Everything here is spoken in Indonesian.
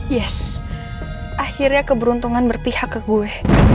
yes akhirnya keberuntungan berpihak ke gue